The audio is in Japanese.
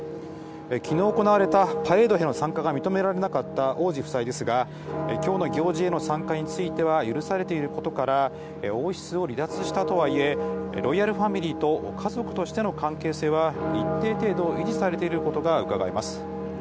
きのう行われたパレードへの参加が認められなかった王子夫妻ですが、きょうの行事への参加については許されていることから、王室を離脱したとはいえ、ロイヤルファミリーと家族としての関係性は一定程度維持されていることがうかがえます。